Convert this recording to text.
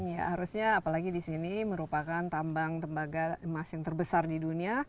ya harusnya apalagi di sini merupakan tambang tembaga emas yang terbesar di dunia